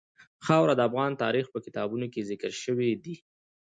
خاوره د افغان تاریخ په کتابونو کې ذکر شوی دي.